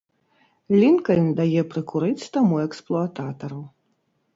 Лінкальн дае прыкурыць таму эксплуататару.